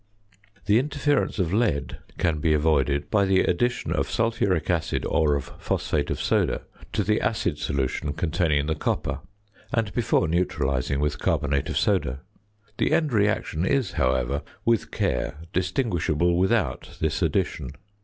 The interference of lead can be avoided by the addition of sulphuric acid or of phosphate of soda to the acid solution containing the copper, and before neutralising with carbonate of soda. The end reaction is, however, with care distinguishable without this addition.